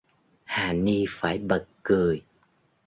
Hà ni phải bật cười